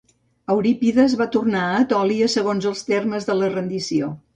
Eurípides va poder tornar a Etòlia segons els termes de la rendició.